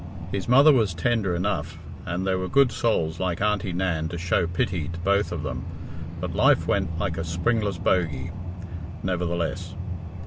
His mother was tender enough, and there were good souls like Aunty Nan to show pity to both of them. But life went like a springless bogey, nevertheless.